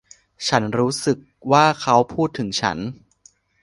ฉันรู้สึกว่าเค้าพูดถึงฉัน